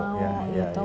gak mau gitu